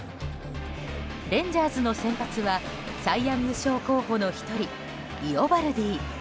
レンジャーズの先発はサイ・ヤング賞候補の１人イオバルディ。